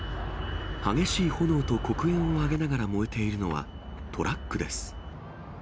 激しい炎と黒煙を上げながら燃えているのは、トラックです。